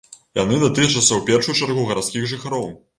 Яны датычацца ў першую чаргу гарадскіх жыхароў.